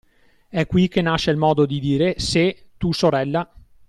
È qui che nasce il modo di dire "se, tu sorella…".